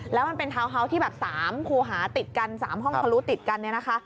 แล้วมันเป็นท้าวน์ฮาว์ที่แบบ๓ครูหาติดกัน๓ห้องพลุติดกัน